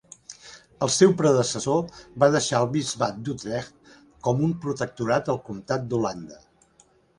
El seu predecessor va deixar el bisbat d'Utrecht com un protectorat al comtat d'Holanda.